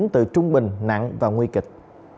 từ trung bình nặng và nguy kịch